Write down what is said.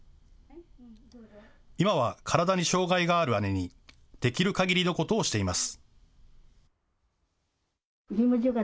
今は体に障害がある姉にできるかぎりのことをしています。